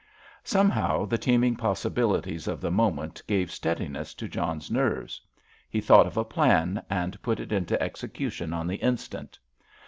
Somehow the teeming possibilities of the moment gave steadiness to John's nerves. He thought of a plan, and put it into execution on the instant.